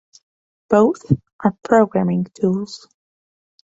Both are programming tools.